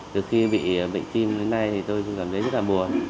từ khi bị bệnh tim đến nay thì tôi cảm thấy rất là buồn